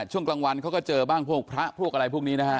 ช่วงกลางวันเขาก็เจอบ้างพวกพระพวกอะไรพวกนี้นะฮะ